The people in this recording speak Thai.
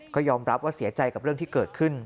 ก็ยอมรับว่าเสียใจกับเรื่องที่เกิดขึ้น